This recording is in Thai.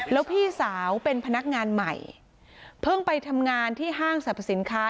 แล้วพี่สาวเป็นพนักงานใหม่เพิ่งไปทำงานที่ห้างสรรพสินค้า